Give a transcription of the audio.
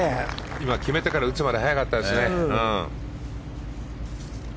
今、決めてから打つまで速かったですね。